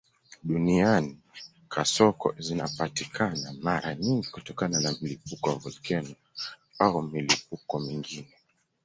Duniani kasoko zinapatikana mara nyingi kutokana na milipuko ya volkeno au milipuko mingine.